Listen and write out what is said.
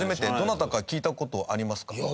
どなたか聞いた事ありますか？